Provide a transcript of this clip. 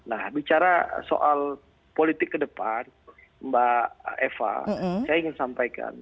nah bicara soal politik ke depan mbak eva saya ingin sampaikan